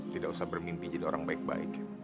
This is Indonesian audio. tidak usah bermimpi jadi orang baik baik